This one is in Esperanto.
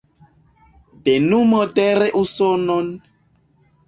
Benu modere Usonon!